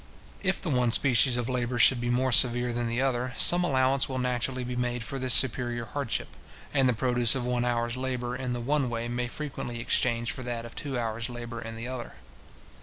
If the one species of labour should be more severe than the other, some allowance will naturally be made for this superior hardship; and the produce of one hour's labour in the one way may frequently exchange for that of two hour's labour in the other.